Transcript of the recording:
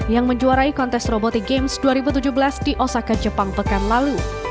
yang menjuarai kontes roboti games dua ribu tujuh belas di osaka jepang pekan lalu